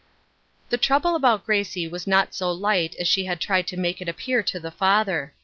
The trouble about Gracie was not so light as she had tried to make it appear to the father.